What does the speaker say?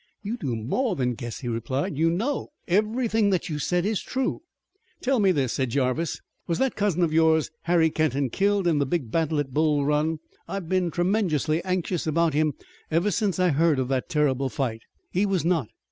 "You do more than guess," he replied. "You know. Everything that you said is true." "Tell me this," said Jarvis. "Was that cousin of yours, Harry Kenton, killed in the big battle at Bull Run? I've been tremenjeously anxious about him ever since I heard of that terrible fight." "He was not.